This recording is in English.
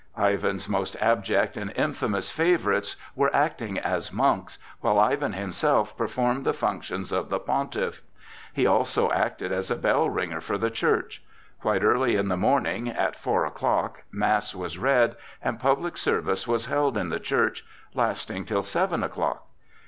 Ivan's most abject and infamous favorites were acting as monks, while Ivan himself performed the functions of the pontiff. He also acted as a bell ringer for the church. Quite early in the morning, at four o'clock, mass was read and public service was held in the church, lasting till seven o'clock.